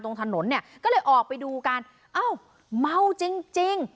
ตรงถนนเนี่ยก็เลยออกไปดูกันอ้าวเมาจริงจริง